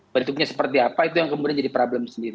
bentuknya seperti apa itu yang kemudian jadi problem sendiri